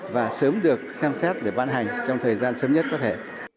và sớm được xem xét để ban hành trong thời gian sớm nhất có thể